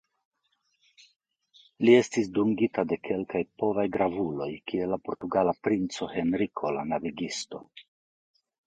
Li estis dungita de kelkaj povaj gravuloj kiel la portugala princo Henriko la Navigisto.